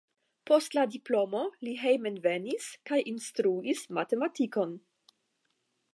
Post la diplomo li hejmenvenis kaj instruis matematikon.